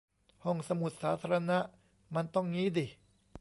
ห้องสมุดสาธารณะมันต้องงี้ดิ